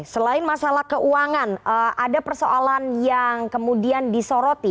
selain masalah keuangan ada persoalan yang kemudian disoroti